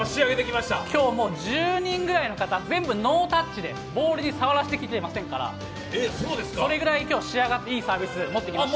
今日１０人ぐらいの方、全員ノータッチで、ボールに触らせてきていませんから、今日、それぐらいいいサービスを持ってきました。